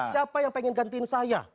siapa yang pengen gantiin saya